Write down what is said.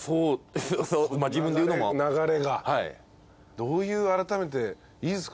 どういうあらためていいですか？